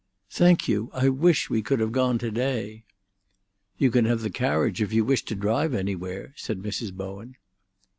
"Thank you. I wish we could have gone to day." "You can have the carriage if you wish to drive anywhere," said Mrs. Bowen.